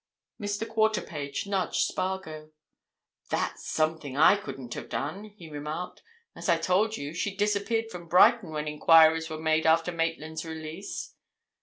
Mr. Quarterpage nudged Spargo. "That's something I couldn't have done!" he remarked. "As I told you, she'd disappeared from Brighton when enquiries were made after Maitland's release."